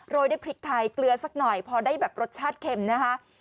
ด้วยพริกไทยเกลือสักหน่อยพอได้แบบรสชาติเข็มนะคะ